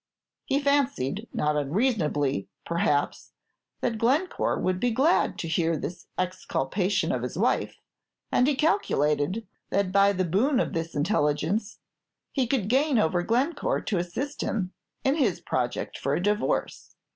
He fancied, not unreasonably, perhaps, that Glencore would be glad to hear this exculpation of his wife; and he calculated that by the boon of this intelligence he could gain over Glencore to assist him in his project for a divorce.